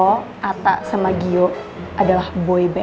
atta sama gio adalah boyband